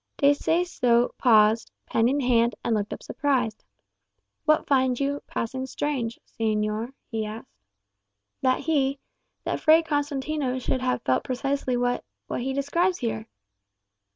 De Seso paused, pen in hand, and looked up surprised. "What find you 'passing strange,' señor?" he asked. "That he that Fray Constantino should have felt precisely what what he describes here."